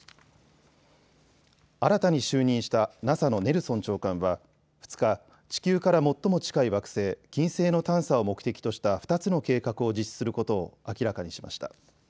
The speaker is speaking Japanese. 新たに就任したＮＡＳＡのネルソン長官は２日、地球から最も近い惑星、金星の探査を目的とした２つの計画を実施することを明らかにしました。